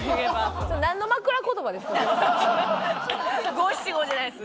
五・七・五じゃないです。